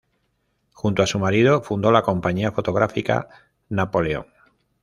Junto a su marido fundó la Compañía fotográfica Napoleón.